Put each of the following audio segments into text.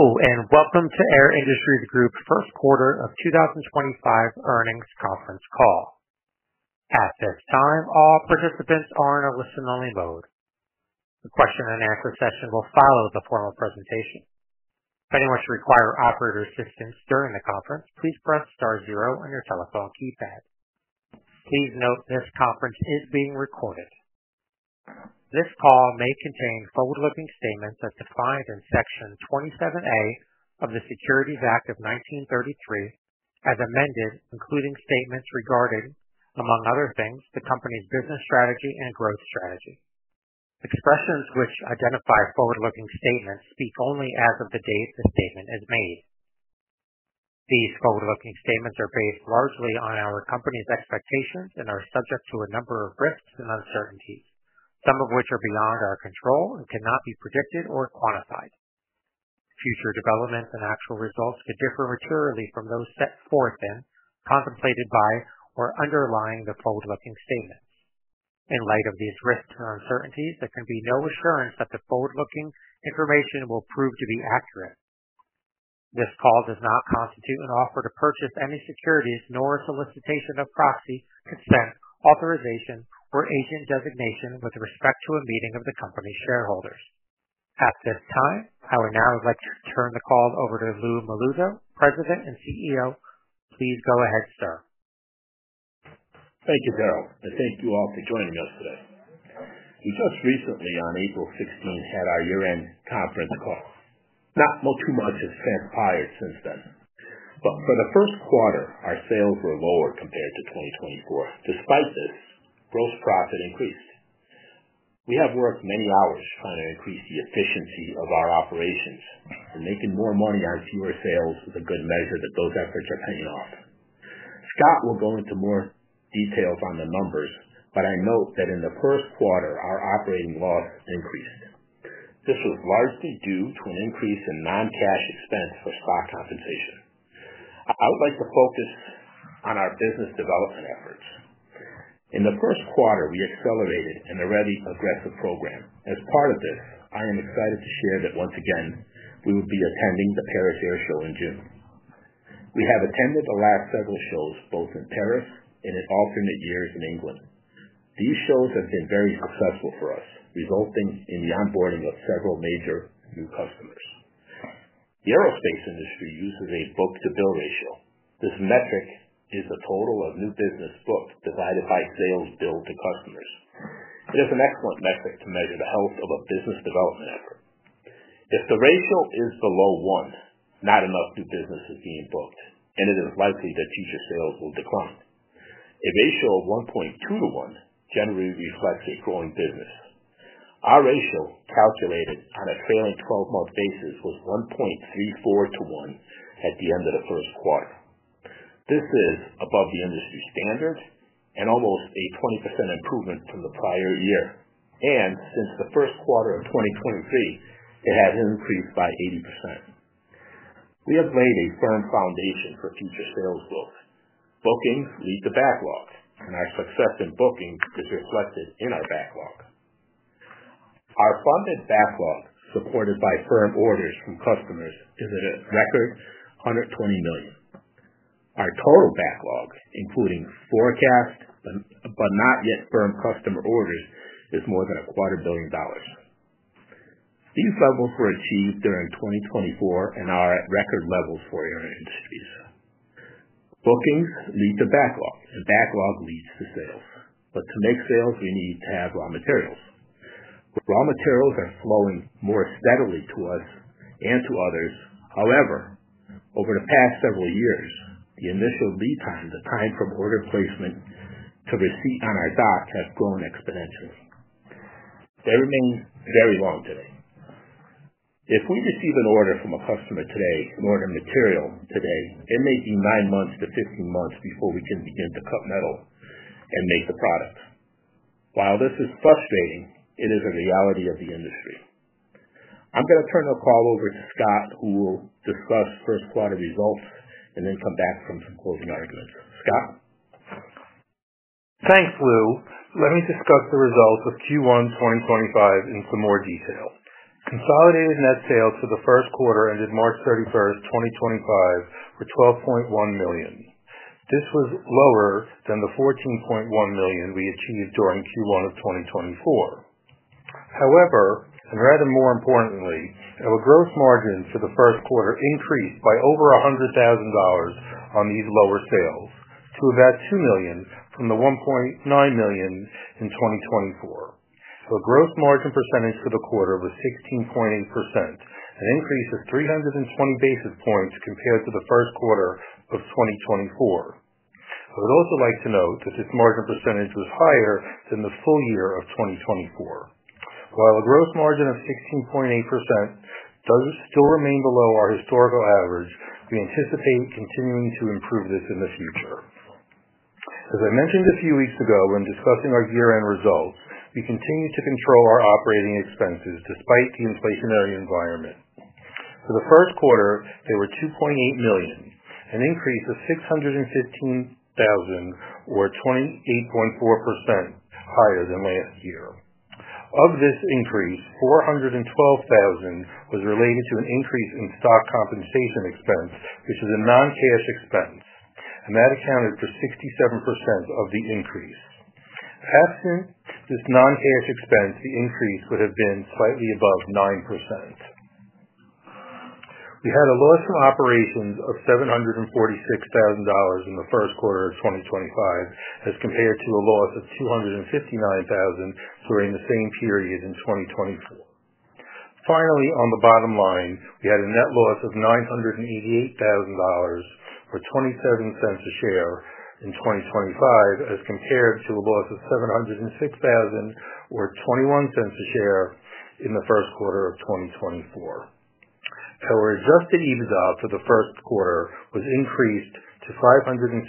Oh, and welcome to Air Industries Group's first quarter of 2025 earnings conference call. At this time, all participants are in a listen-only mode. The question-and-answer session will follow the formal presentation. If anyone should require operator assistance during the conference, please press star zero on your telephone keypad. Please note this conference is being recorded. This call may contain forward-looking statements as defined in Section 27A of the Securities Act of 1933, as amended, including statements regarding, among other things, the company's business strategy and growth strategy. Expressions which identify forward-looking statements speak only as of the date the statement is made. These forward-looking statements are based largely on our company's expectations and are subject to a number of risks and uncertainties, some of which are beyond our control and cannot be predicted or quantified. Future developments and actual results could differ materially from those set forth in, contemplated by, or underlying the forward-looking statements. In light of these risks and uncertainties, there can be no assurance that the forward-looking information will prove to be accurate. This call does not constitute an offer to purchase any securities nor a solicitation of proxy, consent, authorization, or agent designation with respect to a meeting of the company's shareholders. At this time, I would now like to turn the call over to Lou Melluzzo, President and CEO. Please go ahead, sir. Thank you, Daryl, and thank you all for joining us today. We just recently, on April 16th, had our year-end conference call. Not two months have transpired since then. For the first quarter, our sales were lower compared to 2024. Despite this, gross profit increased. We have worked many hours trying to increase the efficiency of our operations, and making more money on fewer sales is a good measure that those efforts are paying off. Scott will go into more details on the numbers, but I note that in the first quarter, our operating loss increased. This was largely due to an increase in non-cash expense for stock compensation. I would like to focus on our business development efforts. In the first quarter, we accelerated an already aggressive program. As part of this, I am excited to share that once again, we will be attending the Paris Air Show in June. We have attended the last several shows, both in Paris and in alternate years in England. These shows have been very successful for us, resulting in the onboarding of several major new customers. The aerospace industry uses a book-to-bill ratio. This metric is the total of new business booked divided by sales billed to customers. It is an excellent metric to measure the health of a business development effort. If the ratio is below one, not enough new business is being booked, and it is likely that future sales will decline. A ratio of 1.2:1 generally reflects a growing business. Our ratio, calculated on a trailing 12-month basis, was 1.34:1 at the end of the first quarter. This is above the industry standard and almost a 20% improvement from the prior year. Since the first quarter of 2023, it has increased by 80%. We have laid a firm foundation for future sales growth. Bookings lead to backlog, and our success in bookings is reflected in our backlog. Our funded backlog, supported by firm orders from customers, is at a record $120 million. Our total backlog, including forecast but not yet firm customer orders, is more than $0.25 billion. These levels were achieved during 2024 and are at record levels for Air Industries. Bookings lead to backlog, and backlog leads to sales. To make sales, we need to have raw materials. Raw materials are flowing more steadily to us and to others. However, over the past several years, the initial lead time, the time from order placement to receipt on our dock, has grown exponentially. They remain very long today. If we receive an order from a customer today, and order material today, it may be 9-15 months before we can begin to cut metal and make the product. While this is frustrating, it is a reality of the industry. I'm going to turn the call over to Scott, who will discuss first quarter results and then come back for some closing arguments. Scott? Thanks, Lou. Let me discuss the results of Q1 2025 in some more detail. Consolidated net sales for the first quarter ended March 31st, 2025, were $12.1 million. This was lower than the $14.1 million we achieved during Q1 of 2024. However, and rather more importantly, our gross margin for the first quarter increased by over $100,000 on these lower sales, to about $2 million from the $1.9 million in 2024. Our gross margin percentage for the quarter was 16.8%, an increase of 320 basis points compared to the first quarter of 2024. I would also like to note that this margin percentage was higher than the full year of 2024. While a gross margin of 16.8% does still remain below our historical average, we anticipate continuing to improve this in the future. As I mentioned a few weeks ago when discussing our year-end results, we continue to control our operating expenses despite the inflationary environment. For the first quarter, they were $2.8 million, an increase of $615,000, or 28.4% higher than last year. Of this increase, $412,000 was related to an increase in stock compensation expense, which is a non-cash expense, and that accounted for 67% of the increase. Absent this non-cash expense, the increase would have been slightly above 9%. We had a loss from operations of $746,000 in the first quarter of 2025, as compared to a loss of $259,000 during the same period in 2024. Finally, on the bottom line, we had a net loss of $988,000 or $0.27 a share in 2025, as compared to a loss of $706,000 or $0.21 a share in the first quarter of 2024. Our adjusted EBITDA for the first quarter was increased to $576,000,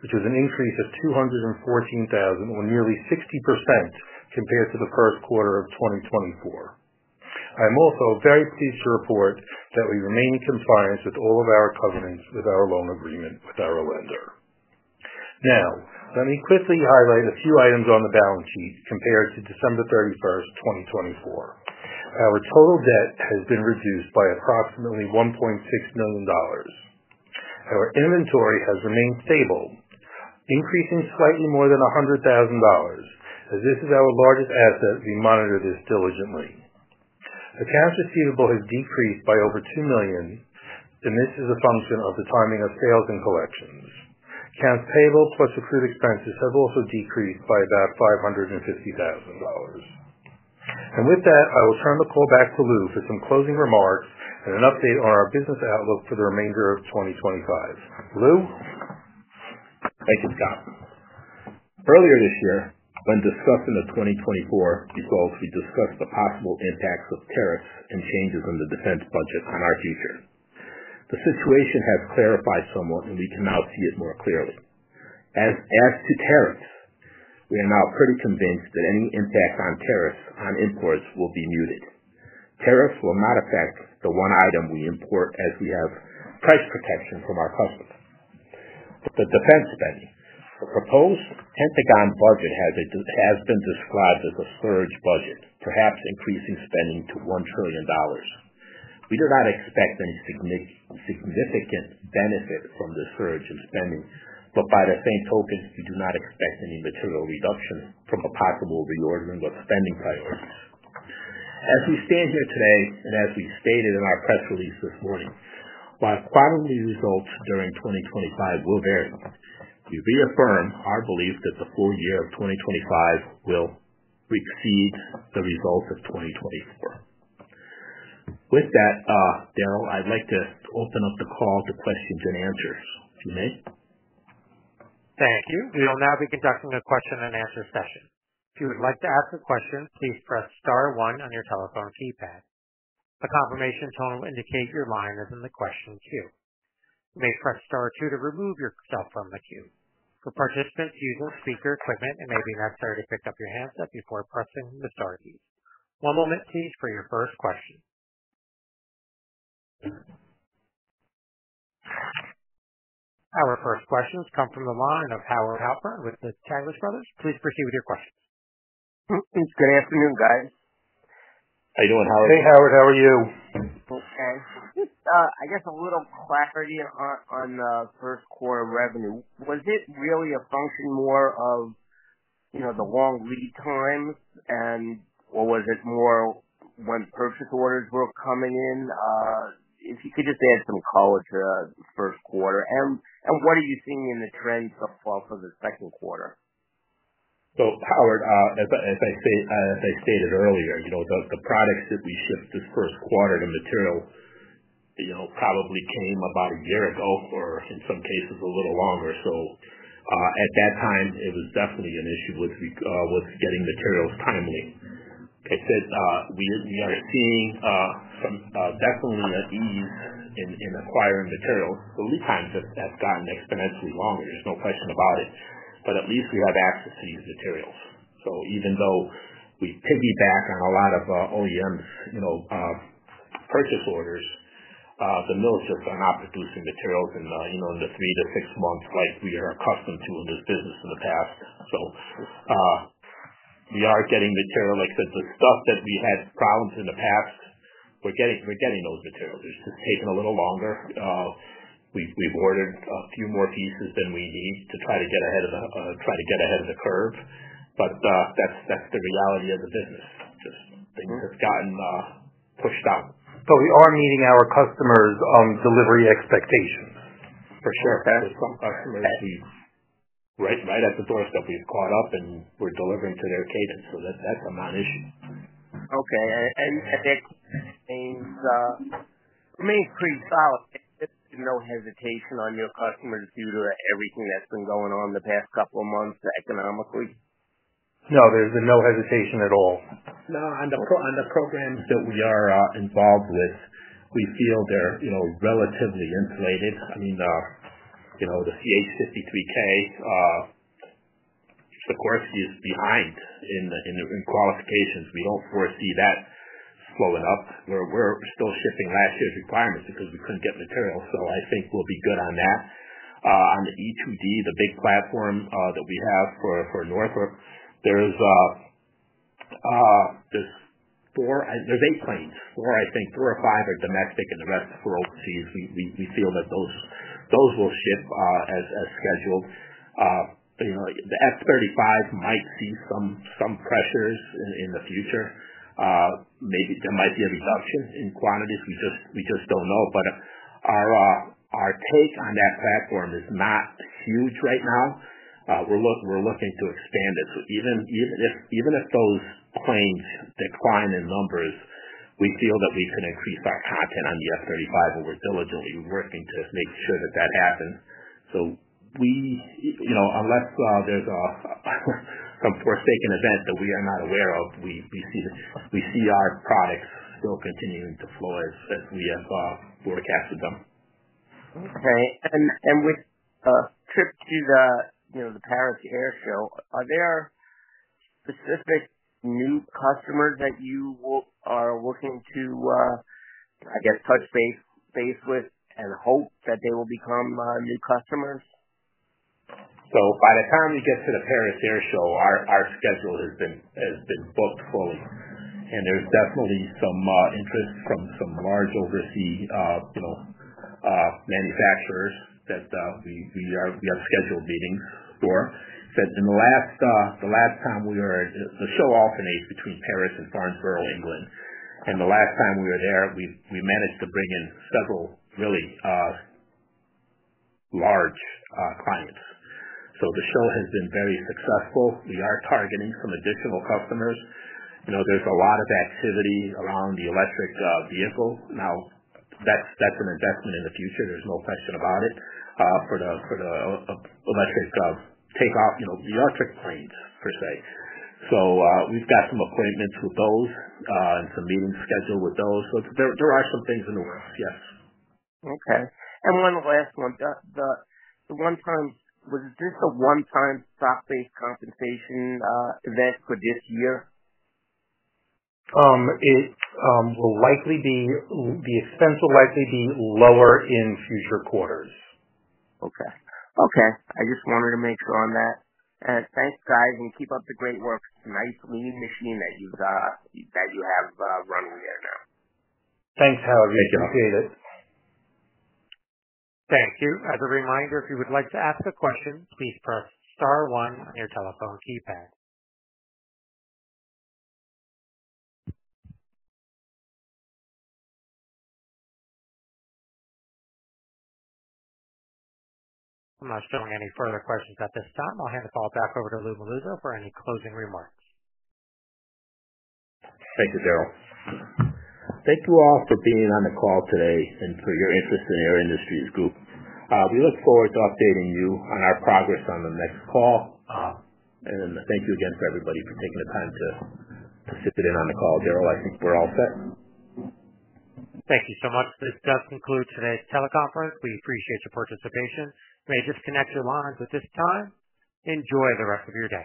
which was an increase of $214,000, or nearly 60% compared to the first quarter of 2024. I am also very pleased to report that we remain in compliance with all of our covenants with our loan agreement with our lender. Now, let me quickly highlight a few items on the balance sheet compared to December 31st, 2024. Our total debt has been reduced by approximately $1.6 million. Our inventory has remained stable, increasing slightly more than $100,000, as this is our largest asset we monitor this diligently. Accounts receivable has decreased by over $2 million, and this is a function of the timing of sales and collections. Accounts payable plus accrued expenses have also decreased by about $550,000. With that, I will turn the call back to Lou for some closing remarks and an update on our business outlook for the remainder of 2025. Lou? Thank you, Scott. Earlier this year, when discussing the 2024 results, we discussed the possible impacts of tariffs and changes in the defense budget on our future. The situation has clarified somewhat, and we can now see it more clearly. As to tariffs, we are now pretty convinced that any impact on tariffs on imports will be muted. Tariffs will not affect the one item we import, as we have price protection from our customers. The defense spending, the proposed Pentagon budget has been described as a surge budget, perhaps increasing spending to $1 trillion. We do not expect any significant benefit from the surge in spending, but by the same token, we do not expect any material reduction from a possible reordering of spending priorities. As we stand here today, and as we stated in our press release this morning, while quarterly results during 2025 will vary, we reaffirm our belief that the full year of 2025 will exceed the results of 2024. With that, Daryl, I'd like to open up the call to questions and answers, if you may. Thank you. We will now be conducting a question-and-answer session. If you would like to ask a question, please press star one on your telephone keypad. A confirmation tone will indicate your line is in the question queue. You may press star two to remove yourself from the queue. For participants using speaker equipment, it may be necessary to pick up your handset before pressing the star keys. One moment, please, for your first question. Our first questions come from the line of Howard Halpern with Taglich Brothers. Please proceed with your questions. Good afternoon, guys. How you doing, Howard? Hey, Howard. How are you? Okay. I guess a little clarity on the first quarter revenue. Was it really a function more of the long lead times, or was it more when purchase orders were coming in? If you could just add some color to the first quarter. And what are you seeing in the trends so far for the second quarter? Howard, as I stated earlier, the products that we shipped this first quarter, the material probably came about a year ago or, in some cases, a little longer. At that time, it was definitely an issue with getting materials timely. I said we are seeing some definitely an ease in acquiring materials. The lead times have gotten exponentially longer. There is no question about it. At least we have access to these materials. Even though we piggyback on a lot of OEM's purchase orders, the mills just are not producing materials in the three to six months like we are accustomed to in this business in the past. We are getting material. Like I said, the stuff that we had problems in the past, we are getting those materials. It is just taken a little longer. We've ordered a few more pieces than we need to try to get ahead of the curve. That's the reality of the business. Just things have gotten pushed up. We are meeting our customers' delivery expectations, for sure. Exactly. Some customers need. Right at the doorstep, we've caught up, and we're delivering to their cadence. So that's a non-issue. Okay. That means for me, it's pretty solid. There's no hesitation on your customers due to everything that's been going on the past couple of months economically? No, there's been no hesitation at all. No, on the programs that we are involved with, we feel they're relatively insulated. I mean, the CH-53K, Sikorsky is behind in qualifications. We don't foresee that slowing up. We're still shipping last year's requirements because we couldn't get material. I think we'll be good on that. On the E-2D, the big platform that we have for Northrop, there's four, there's eight planes. Four, I think, four or five are domestic, and the rest are for overseas. We feel that those will ship as scheduled. The F-35 might see some pressures in the future. Maybe there might be a reduction in quantities. We just don't know. Our take on that platform is not huge right now. We're looking to expand it. Even if those planes decline in numbers, we feel that we can increase our content on the F-35, and we're diligently working to make sure that that happens. Unless there's some forsaken event that we are not aware of, we see our products still continuing to flow as we have forecasted them. Okay. With a trip to the Paris Air Show, are there specific new customers that you are looking to, I guess, touch base with and hope that they will become new customers? By the time we get to the Paris Air Show, our schedule has been booked fully. There's definitely some interest from some large overseas manufacturers that we have scheduled meetings for. The last time we were at the show, which alternates between Paris and Farnborough, England, the last time we were there, we managed to bring in several really large clients. The show has been very successful. We are targeting some additional customers. There's a lot of activity around the electric vehicle. Now, that's an investment in the future. There's no question about it for the electric takeoff, the electric planes per se. We've got some appointments with those and some meetings scheduled with those. There are some things in the works, yes. Okay. One last one. The one-time, was this a one-time stock-based compensation event for this year? The expense will likely be lower in future quarters. Okay. Okay. I just wanted to make sure on that. Thanks, guys, and keep up the great work. It's a nice lean machine that you have running there now. Thanks, Howard. We appreciate it. Thank you. As a reminder, if you would like to ask a question, please press star one on your telephone keypad. I'm not showing any further questions at this time. I'll hand the call back over to Lou Melluzzo for any closing remarks. Thank you, Daryl. Thank you all for being on the call today and for your interest in Air Industries Group. We look forward to updating you on our progress on the next call. Thank you again for everybody for taking the time to sit in on the call, Daryl. I think we're all set. Thank you so much. This does conclude today's teleconference. We appreciate your participation. You may disconnect your lines at this time. Enjoy the rest of your day.